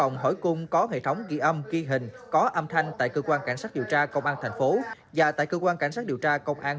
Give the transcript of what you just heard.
ghi hình có âm thanh tại cơ quan cảnh sát điều tra công an tp hcm và tại cơ quan cảnh sát điều tra công an